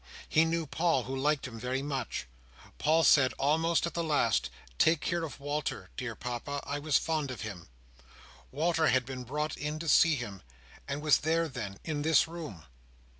He knew Paul, who liked him very much; Paul said, almost at the last, 'Take care of Walter, dear Papa! I was fond of him!' Walter had been brought in to see him, and was there then—in this room."